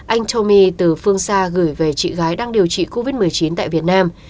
anh thomi từ phương xa gửi về chị gái đang điều trị covid một mươi chín tại việt nam